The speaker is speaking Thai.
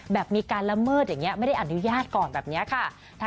แบบมีการละเมิดอย่างนี้ไม่ได้อนุญาตก่อนแบบนี้ค่ะ